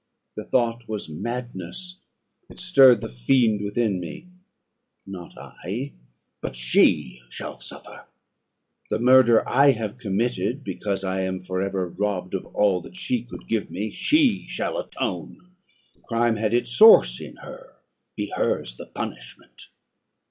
The thought was madness; it stirred the fiend within me not I, but she shall suffer: the murder I have committed because I am for ever robbed of all that she could give me, she shall atone. The crime had its source in her: be hers the punishment!